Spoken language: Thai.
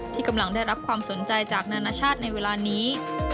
ที่กำลังได้รับความสนใจจากนานาชาติในเวลานี้